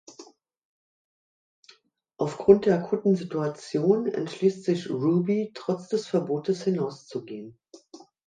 Aufgrund der akuten Situation entschließt sich Ruby trotz des Verbotes hinauszugehen.